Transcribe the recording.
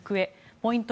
ポイント